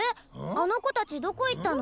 あの子たちどこ行ったの？